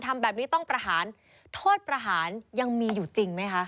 ทำแบบนี้ต้องประหารโทษประหารยังมีอยู่จริงไหมคะ